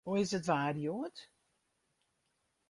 Hoe is it waar hjoed?